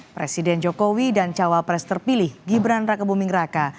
presiden jokowi dan cawa pres terpilih gibran rakebumingraka